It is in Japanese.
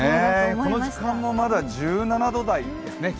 この時間もまだ気温が１７度台ですね。